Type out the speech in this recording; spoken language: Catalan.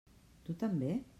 Tu també?